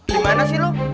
gimana sih lu